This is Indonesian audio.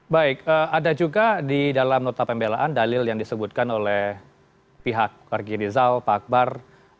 baik ada juga di dalam nota pembelaan dalil yang disebutkan oleh pihak rg rizal pak akbar